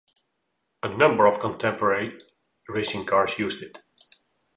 A number of contemporary racing cars used it.